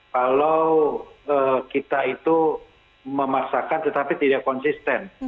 kalau kita itu memaksakan tetapi tidak konsisten